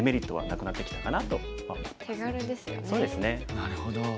なるほど。